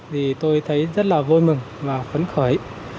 thì tôi thấy rất là vui mừng và phấn khởi